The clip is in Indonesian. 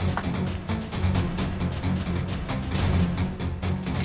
itu karena sopi